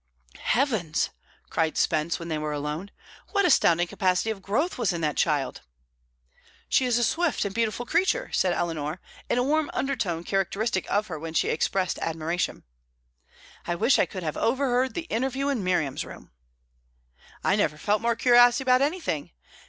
"Heavens!" cried Spence, when they were alone; "what astounding capacity of growth was in that child!" "She is a swift and beautiful creature!" said Eleanor, in a warm undertone characteristic of her when she expressed admiration. "I wish I could have overheard the interview in Miriam's room." "I never felt more curiosity about anything.